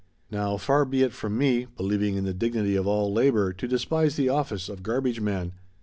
Now, far be it from me, believing in the dignity of all labor, to despise the office of garbage man.